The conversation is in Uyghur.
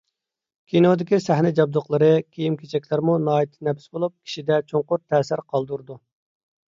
ﻛﯩﻨﻮﺩﯨﻜﻰ ﺳﻪﮪﻨﻪ ﺟﺎﺑﺪﯗﻗﻠﯩﺮى، ﻛﯩﻴﯩﻢ-ﻛﯧﭽﻪﻛﻠﻪﺭﻣﯘ ﻧﺎﮪﺎﻳﯩﺘﻰ ﻧﻪﭘﯩﺲ ﺑﻮﻟﯘﭖ، ﻛﯩﺸﯩﺪﻩ ﭼﻮﯕﻘﯘﺭ ﺗﻪﺳﯩﺮ ﻗﺎﻟﺪﯗﺭﯨﺪﯗ.